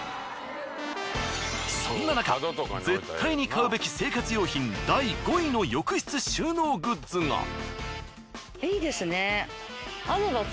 そんななか絶対に買うべき生活用品第５位の浴室収納グッズが。